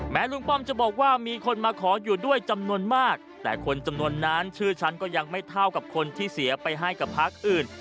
ลุงป้อมจะบอกว่ามีคนมาขออยู่ด้วยจำนวนมากแต่คนจำนวนนั้นชื่อฉันก็ยังไม่เท่ากับคนที่เสียไปให้กับพักอื่น